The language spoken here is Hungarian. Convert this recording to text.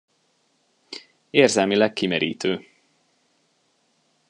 Érzelmileg kimerítő.